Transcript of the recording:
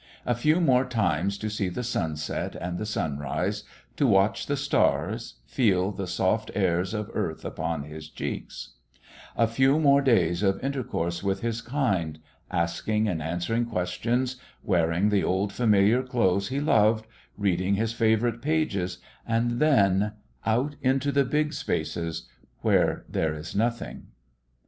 A few more times to see the sunset and the sunrise, to watch the stars, feel the soft airs of earth upon his cheeks; a few more days of intercourse with his kind, asking and answering questions, wearing the old familiar clothes he loved, reading his favourite pages, and then out into the big spaces where there is nothing.